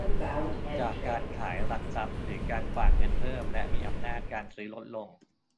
จากการขายหลักทรัพย์ หรือการฝากเงินเพิ่ม และมีอำนาจการซื้อลดลง